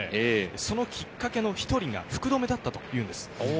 そのきっかけの１人が福留だったというんです。